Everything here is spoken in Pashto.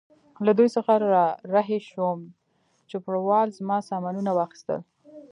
له دوی څخه را رهي شوم، چوپړوال زما سامانونه واخیستل.